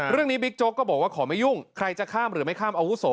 บิ๊กโจ๊กก็บอกว่าขอไม่ยุ่งใครจะข้ามหรือไม่ข้ามอาวุโส